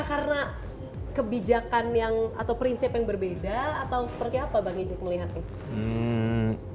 karena kebijakan atau prinsip yang berbeda atau seperti apa bang ejek melihatnya